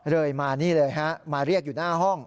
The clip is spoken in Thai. เลยมานี่เลยฮะมาเรียกอยู่หน้าห้อง